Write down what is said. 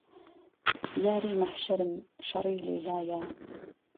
یاری مەحشەرم شەڕی لەیلایە